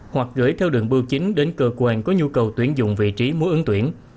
hoặc gửi theo đường bưu chính đến cơ quan có nhu cầu tuyển dụng vị trí muốn ứng tuyển